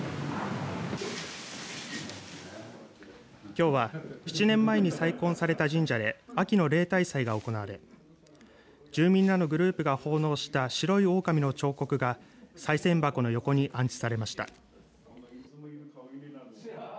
きょうは７年前に再建された神社で秋の例大祭が行われ住民らのグループが奉納した白いおおかみの彫刻が賽せん箱の横に安置されました。